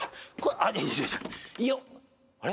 あれ？